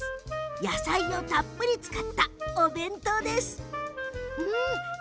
野菜をたっぷり使ったお弁当です。